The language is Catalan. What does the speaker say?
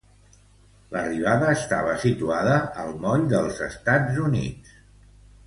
L'arribada estava situada al Moll dels Estats Units.